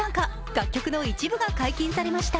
楽曲の一部が解禁されました。